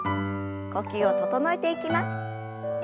呼吸を整えていきます。